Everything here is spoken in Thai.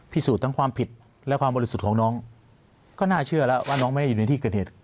สูจนทั้งความผิดและความบริสุทธิ์ของน้องก็น่าเชื่อแล้วว่าน้องไม่ได้อยู่ในที่เกิดเหตุ